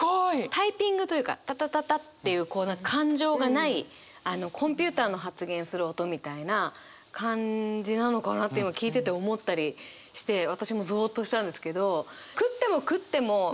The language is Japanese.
タイピングというかタタタタっていうこう何か感情がないコンピューターの発言する音みたいな感じなのかなって今聞いてて思ったりして私もぞおっとしたんですけど。